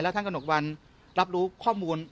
ท่านกระหนกวันรับรู้ข้อมูล